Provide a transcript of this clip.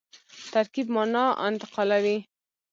ترکیب مانا انتقالوي.